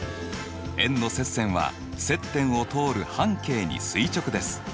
円の接線は接点を通る半径に垂直です。